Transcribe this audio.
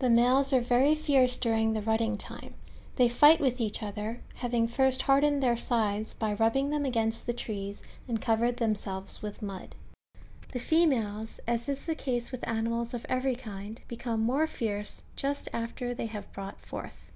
The males are very fierce during the rutting time ; they fight T^ ith each other, ha^'ing first hardened their sides by rubbing them against the trees, and covered themselves with mud. The females, as is the case with animals of every kind, become more fierce just after they have brought forth.